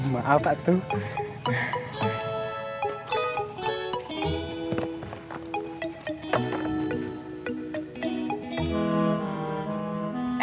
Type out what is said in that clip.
maaf pak tuh